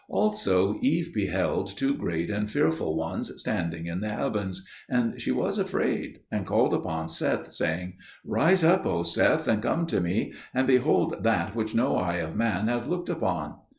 Also Eve beheld two great and fearful ones standing in the heavens, and she was afraid and called upon Seth, saying, "Rise up, O Seth, and come to me, and behold that which no eye of man hath looked upon."